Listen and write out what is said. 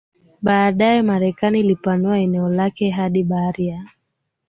Baadaye Marekani ilipanua eneo lake hadi bahari ya